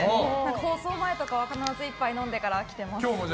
放送前とかは必ず１杯飲んでから来てます。